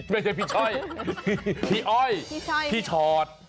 ไม่ใช่พี่ช่อยพี่อ้อยพี่ชอต